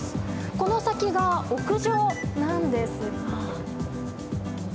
この先が屋上なんですが。